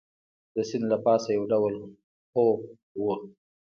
د سیند له پاسه یو ډول خوپ وو.